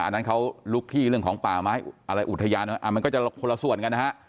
อันนั้นเขาลุกที่เรื่องของป่าไม้อะไรอุทยานมันก็จะคนละส่วนกันนะฮะ